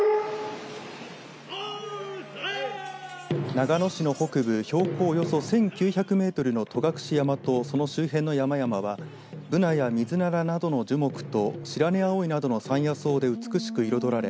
長野市の北部、標高およそ１９００メートルの戸隠山とその周辺の山々はブナやミズナラなどの樹木とシラネアオイなどの山野草で美しく彩られ